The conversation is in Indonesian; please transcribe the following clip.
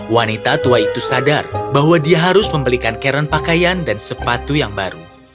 wanita tua itu sadar bahwa dia harus membelikan karen pakaian dan sepatu yang baru